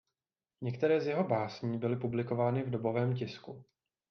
Některé z jeho básní byly publikovány v dobovém tisku.